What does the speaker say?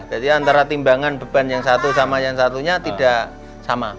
jadi antara timbangan beban yang satu sama yang satunya tidak sama